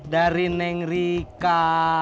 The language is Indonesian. dari neng rika